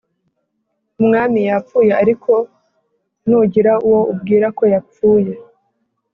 Umwami yapfuye ariko nugira uwo ubwira ko yapfuye